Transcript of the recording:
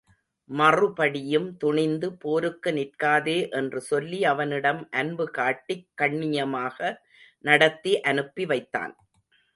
மறுபடியும் துணிந்து போருக்குநிற்காதே என்று சொல்லி அவனிடம் அன்பு காட்டிக் கண்ணியமாக நடத்தி அனுப்பி வைத்தான்.